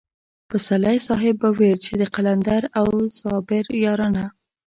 پسرلی صاحب به ويل چې د قلندر او صابر يارانه.